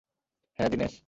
হ্যাঁ, দীনেশ?